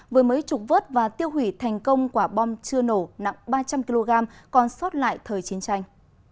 với mấy chục vớt và tiêu hủy thành công quả bom chưa nổ nặng ba trăm linh kg còn sót lại thời chiến tranh